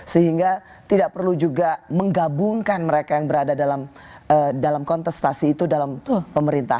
sehingga tidak perlu juga menggabungkan mereka yang berada dalam kontestasi itu dalam pemerintah